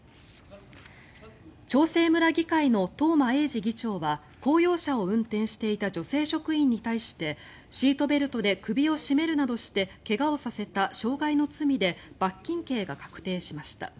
長生村議会の東間永次議長は公用車を運転していた女性職員に対してシートベルトで首を絞めるなどして怪我をさせた傷害の罪で罰金刑が確定しました。